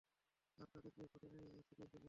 আর তাদের জিহ্বা টেনে ছিঁড়ে ফেলবো!